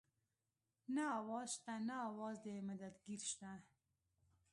نه اواز شته نه اواز د مدد ګير شته